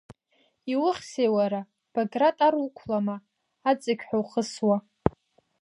Иухьзеи уара, Баграт, ар уқәлама, аҵықьҳәа ухысуа?